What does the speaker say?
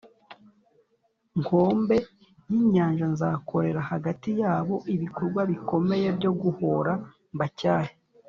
nkombe y inyanja Nzakorera hagati yabo ibikorwa bikomeye byo guhora mbacyahe